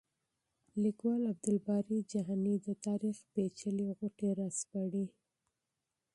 لیکوال عبدالباري جهاني د تاریخ پېچلې غوټې راسپړي.